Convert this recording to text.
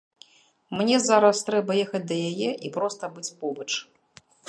Мне зараз трэба ехаць да яе і проста быць побач.